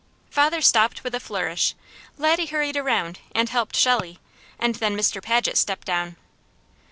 Father stopped with a flourish, Laddie hurried around and helped Shelley, and then Mr. Paget stepped down.